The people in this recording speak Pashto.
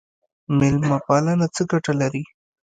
میلمه پالنه څه ګټه لري؟